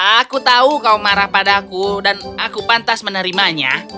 aku tahu kau marah padaku dan aku pantas menerimanya